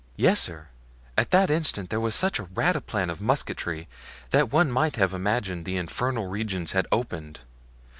"Yes, sir; at that instant there was such a rataplan of musketry that one might have imagined the infernal regions had opened.